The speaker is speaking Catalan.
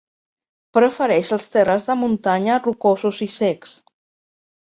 Prefereix els terres de muntanya rocosos i secs.